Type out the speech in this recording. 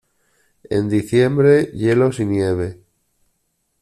En diciembre, hielos y nieve.